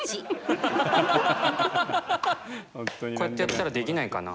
こうやってやったらできないかな？